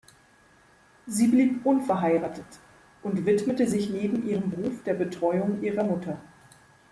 Sie blieb unverheiratet und widmete sich neben ihrem Beruf der Betreuung ihrer Mutter.